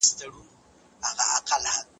ښه ذهنیت کار نه کموي.